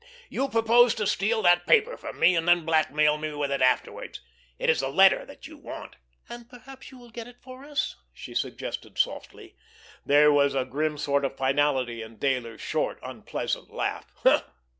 You propose to steal that paper from me, and then blackmail me with it afterwards. It is the letter that you want!" "And perhaps you will get it for us?" she suggested softly. There was a grim sort of finality in Dayler's short, unpleasant laugh.